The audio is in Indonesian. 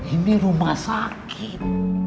ini rumah sakit